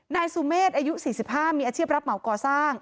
นายสุเมษอายุ๔๕มีอาชีพรับเหมาก่อสร้าง